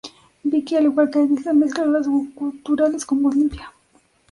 Vicky, al igual que Alissa mezcla los guturales con voz limpia.